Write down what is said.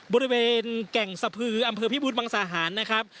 บริเวณแก่งสะพืออำเภอพิบูธมังสาหารนะครับ